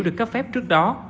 được cấp phép trước đó